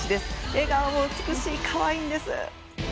笑顔も美しい、可愛いんです。